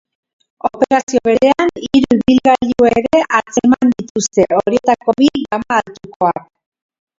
Operazio berean hiru ibilgailu ere atzeman dituzte, horietako bi gama altukoak.